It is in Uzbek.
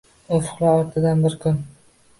Ufqlar ortidan bir kun